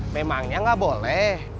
memangnya nggak boleh